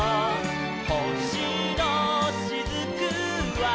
「ほしのしずくは」